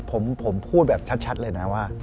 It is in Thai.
ผมพูดแบบชัดเลยนะว่า